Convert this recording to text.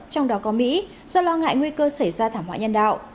trong đó có mỹ do lo ngại nguy cơ xảy ra thảm họa nhân đạo